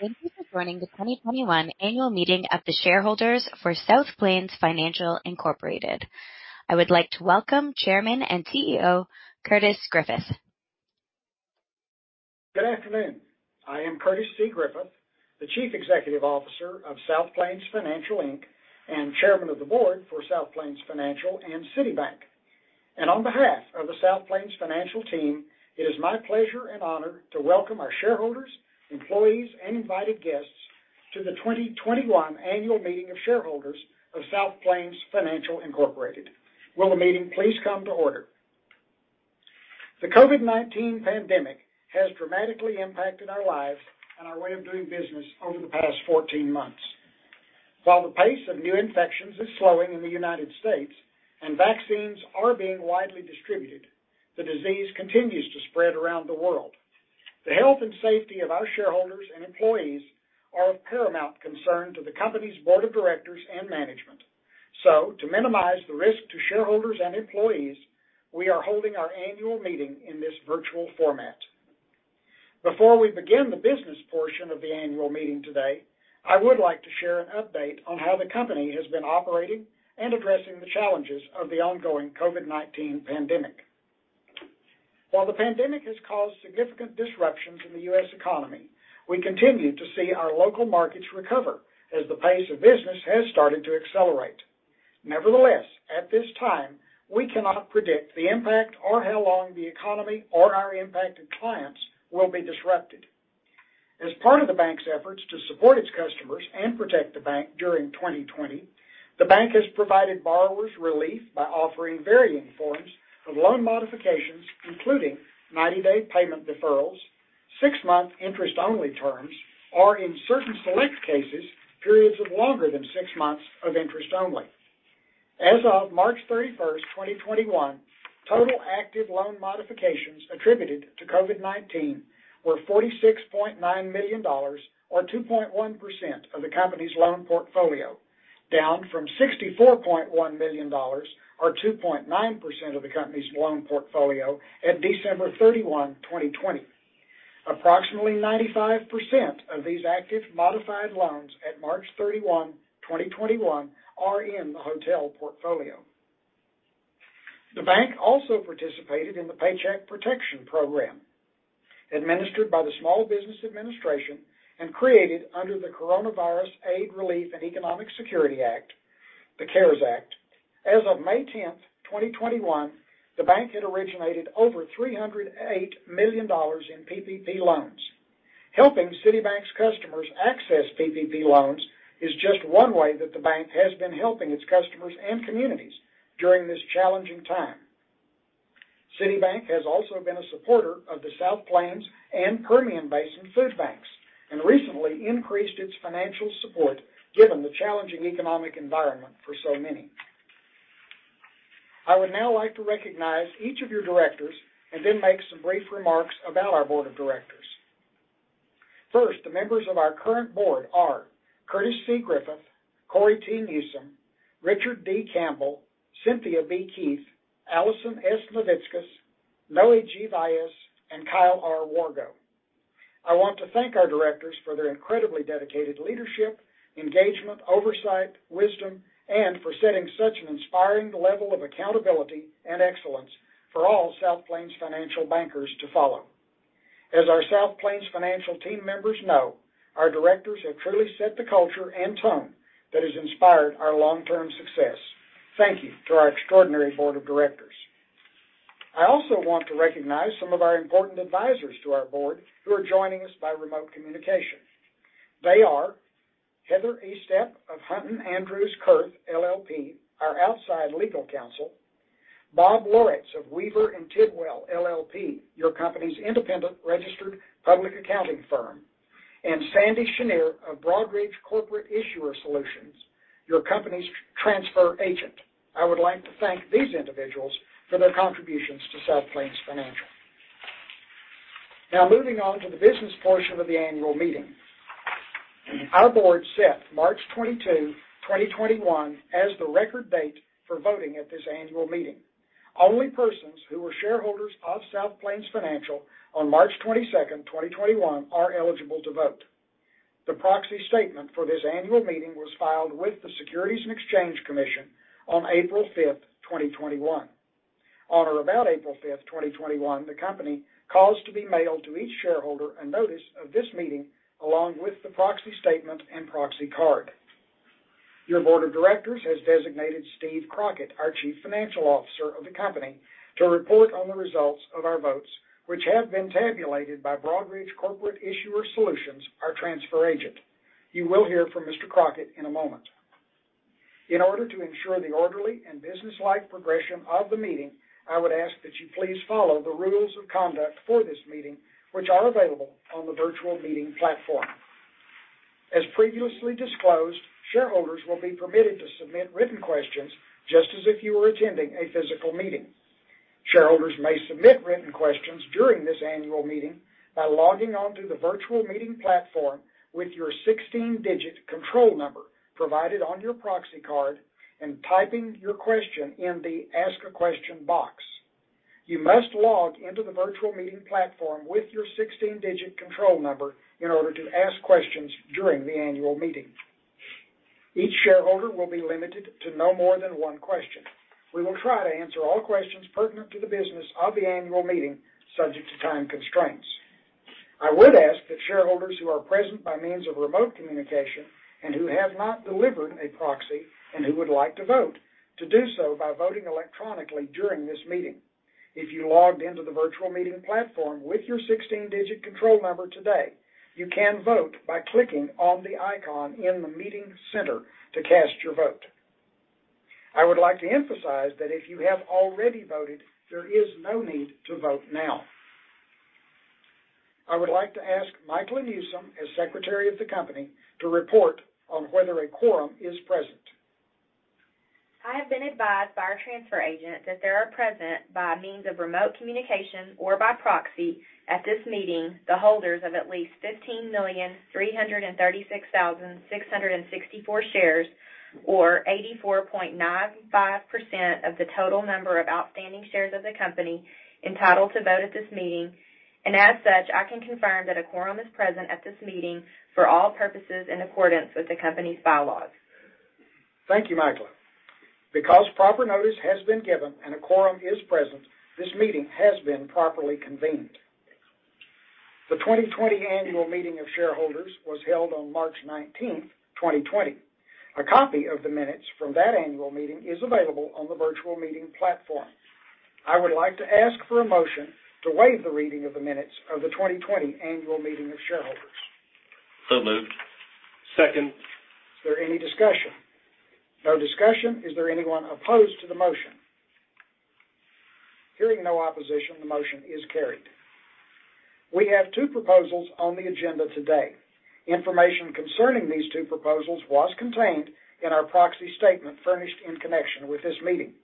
Thank you for joining the 2021 Annual Meeting of the Shareholders for South Plains Financial, Incorporated I would like to welcome Chairman and CEO, Curtis Griffith. Good afternoon. I am Curtis C. Griffith, the Chief Executive Officer of South Plains Financial Inc. and Chairman of the Board for South Plains Financial and City Bank. On behalf of the South Plains Financial team, it is my pleasure and honor to welcome our shareholders, employees, and invited guests to the 2021 Annual Meeting of Shareholders of South Plains Financial, Incorporated. Will the meeting please come to order? The COVID-19 pandemic has dramatically impacted our lives and our way of doing business over the past 14 months. While the pace of new infections is slowing in the U.S. and vaccines are being widely distributed, the disease continues to spread around the world. The health and safety of our shareholders and employees are of paramount concern to the company's Board of Directors and Management. To minimize the risk to shareholders and employees, we are holding our annual meeting in this virtual format. Before we begin the business portion of the annual meeting today, I would like to share an update on how the company has been operating and addressing the challenges of the ongoing COVID-19 pandemic. While the pandemic has caused significant disruption to the U.S. economy, we continue to see our local markets recover as the pace of business has started to accelerate. Nevertheless, at this time, we cannot predict the impact or how long the economy or our impacted clients will be disrupted. As part of the bank's efforts to support its customers and protect the bank during 2020, the bank has provided borrowers relief by offering varying forms of loan modifications, including 90-day payment deferrals, six-month interest-only terms, or in certain select cases, periods of longer than six months of interest only. As of March 31st, 2021, total active loan modifications attributed to COVID-19 were $46.9 million, or 2.1% of the company's loan portfolio, down from $64.1 million, or 2.9% of the company's loan portfolio at December 31, 2020. Approximately 95% of these active modified loans at March 31, 2021, are in the hotel portfolio. The bank also participated in the Paycheck Protection Program administered by the Small Business Administration and created under the Coronavirus Aid, Relief, and Economic Security Act, the CARES Act. As of May 10th, 2021, the bank had originated over $308 million in PPP loans. Helping City Bank's customers access PPP loans is just one way that the bank has been helping its customers and communities during this challenging time. City Bank has also been a supporter of the South Plains and Permian Basin food banks and recently increased its financial support given the challenging economic environment for so many. I would now like to recognize each of your directors and then make some brief remarks about our board of directors. First, the members of our current board are Curtis C. Griffith, Cory T. Newsom, Richard D. Campbell, Cynthia B. Keith, Allison S. Navitskas, Melanie G. Vyas, and Kyle R. Wargo. I want to thank our directors for their incredibly dedicated leadership, engagement, oversight, wisdom, and for setting such an inspiring level of accountability and excellence for all South Plains Financial bankers to follow. As our South Plains Financial team members know, our directors have truly set the culture and tone that has inspired our long-term success. Thank you to our extraordinary board of directors. I also want to recognize some of our important advisors to our board who are joining us by remote communication. They are Heather Archer Eastep of Hunton Andrews Kurth LLP, our outside legal counsel, Bob Loritz of Weaver and Tidwell, L.L.P., your company's Independent Registered Public Accounting Firm, and Sandy Chenier of Broadridge Corporate Issuer Solutions, your company's transfer agent. I would like to thank these individuals for their contributions to South Plains Financial. Moving on to the business portion of the annual meeting. Our board set March 22, 2021, as the record date for voting at this annual meeting. Only persons who were shareholders of South Plains Financial on March 22nd, 2021, are eligible to vote. The proxy statement for this annual meeting was filed with the Securities and Exchange Commission on April 5th, 2021. On or about April 5th, 2021, the company caused to be mailed to each shareholder a notice of this meeting, along with the proxy statement and proxy card. Your board of directors has designated Steve Crockett, our Chief Financial Officer of the company, to report on the results of our votes, which have been tabulated by Broadridge Corporate Issuer Solutions, our transfer agent. You will hear from Mr. Crockett in a moment. In order to ensure the orderly and businesslike progression of the meeting, I would ask that you please follow the rules of conduct for this meeting, which are available on the virtual meeting platform. As previously disclosed, shareholders will be permitted to submit written questions just as if you were attending a physical meeting. Shareholders may submit written questions during this annual meeting by logging on to the virtual meeting platform with your 16-digit control number provided on your proxy card and typing your question in the Ask A Question box. You must log into the virtual meeting platform with your 16-digit control number in order to ask questions during the annual meeting. Each shareholder will be limited to no more than one question. We will try to answer all questions pertinent to the business of the annual meeting subject to time constraints. I would ask that shareholders who are present by means of remote communication and who have not delivered a proxy, and who would like to vote, to do so by voting electronically during this meeting. If you logged into the virtual meeting platform with your 16-digit control number today, you can vote by clicking on the icon in the meeting center to cast your vote. I would like to emphasize that if you have already voted, there is no need to vote now. I would like to ask Mikella Newsom, as Secretary of the company, to report on whether a quorum is present. I have been advised by our transfer agent that there are present, by means of remote communication or by proxy at this meeting, the holders of at least 15,336,664 shares, or 84.95% of the total number of outstanding shares of the company entitled to vote at this meeting. As such, I can confirm that a quorum is present at this meeting for all purposes in accordance with the company's bylaws. Thank you, Mikella. Because proper notice has been given and a quorum is present, this meeting has been properly convened. The 2020 annual meeting of shareholders was held on March 19th, 2020. A copy of the minutes from that annual meeting is available on the virtual meeting platform. I would like to ask for a motion to waive the reading of the minutes of the 2020 annual meeting of shareholders. So moved. Second. Is there any discussion? No discussion. Is there anyone opposed to the motion? Hearing no opposition, the motion is carried. We have two proposals on the agenda today. Information concerning these two proposals was contained in our proxy statement furnished in connection with this meeting.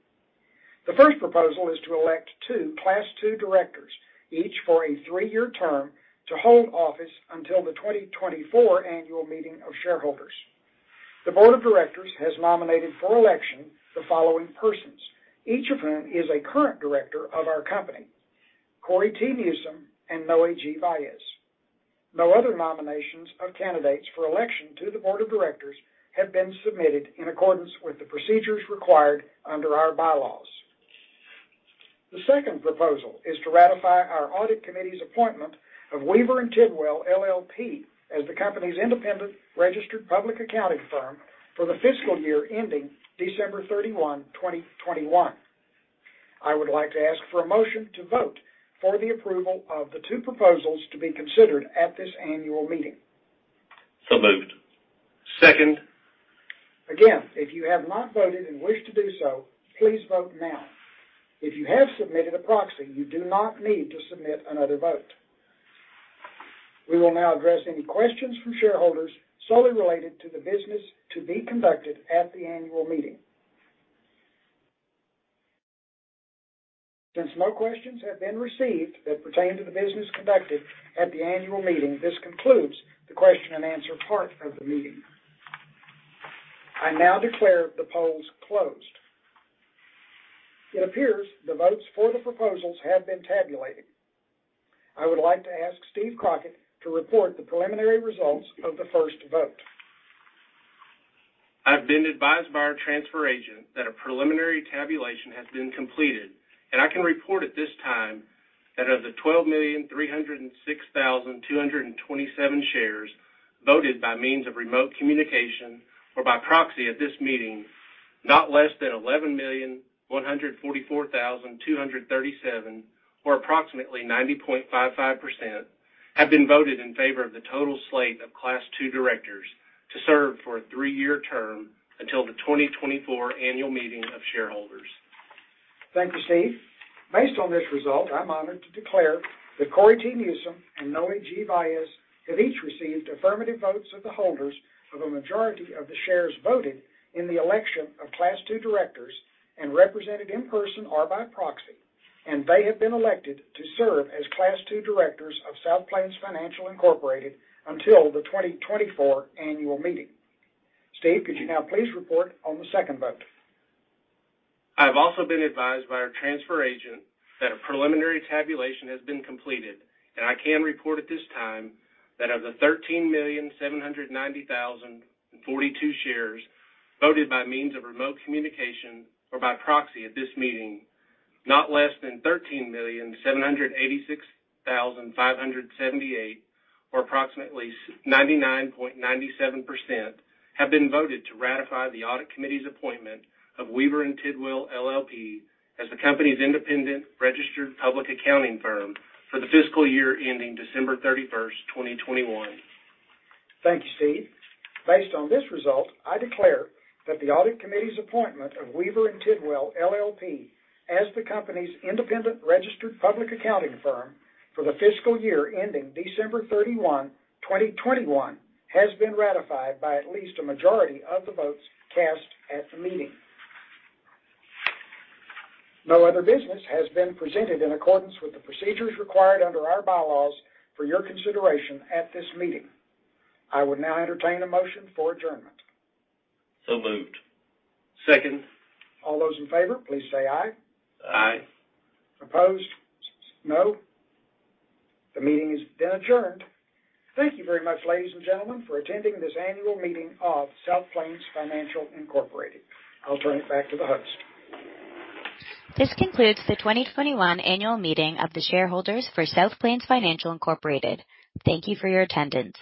The first proposal is to elect two Class 2 Directors, each for a three-year term, to hold office until the 2024 annual meeting of shareholders. The Board of Directors has nominated for election the following persons, each of whom is a current Director of our company, Cory T. Newsom and Noe G. Valles. No other nominations of candidates for election to the Board of Directors have been submitted in accordance with the procedures required under our bylaws. The second proposal is to ratify our Audit Committee's appointment of Weaver and Tidwell, L.L.P. as the company's Independent Registered Public Accounting Firm for the fiscal year ending December 31, 2021. I would like to ask for a motion to vote for the approval of the two proposals to be considered at this annual meeting. So Moved. Second. Again, if you have not voted and wish to do so, please vote now. If you have submitted a proxy, you do not need to submit another vote. We will now address any questions from shareholders solely related to the business to be conducted at the annual meeting. Since no questions have been received that pertain to the business conducted at the annual meeting, this concludes the question and answer part of the meeting. I now declare the polls closed. It appears the votes for the proposals have been tabulated. I would like to ask Steve Crockett to report the preliminary results of the first vote. I've been advised by our transfer agent that a preliminary tabulation has been completed, and I can report at this time that of the 12,306,227 shares voted by means of remote communication or by proxy at this meeting, not less than 11,144,237, or approximately 90.55%, have been voted in favor of the total slate of Class 2 Directors to serve for a three-year term until the 2024 annual meeting of shareholders. Thank you, Steve. Based on this result, I'm honored to declare that Cory T. Newsom and Noe G. Valles have each received affirmative votes of the holders of a majority of the shares voted in the election of Class 2 Directors and represented in person or by proxy, and they have been elected to serve as Class 2 Directors of South Plains Financial, Inc. until the 2024 annual meeting. Steve, could you now please report on the second vote? I've also been advised by our transfer agent that a preliminary tabulation has been completed, and I can report at this time that of the 13,790,042 shares voted by means of remote communication or by proxy at this meeting, not less than 13,786,578, or approximately 99.97%, have been voted to ratify the Audit Committee's appointment of Weaver and Tidwell, L.L.P. as the company's Independent Registered Public Accounting Firm for the fiscal year ending December 31st, 2021. Thank you, Steve. Based on this result, I declare that the Audit Committee's appointment of Weaver and Tidwell, L.L.P. as the company's Independent Registered Public Accounting Firm for the fiscal year ending December 31, 2021, has been ratified by at least a majority of the votes cast at the meeting. No other business has been presented in accordance with the procedures required under our bylaws for your consideration at this meeting. I would now entertain a motion for adjournment. So moved. Second. All those in favor, please say aye. Aye. Opposed? No. The meeting has been adjourned. Thank you very much, ladies and gentlemen, for attending this annual meeting of South Plains Financial, Incorporated, I'll turn it back to the host. This concludes the 2021 Annual Meeting of the Shareholders for South Plains Financial, Incorporated. Thank you for your attendance.